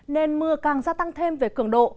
nền mưa càng gia tăng thêm về cường độ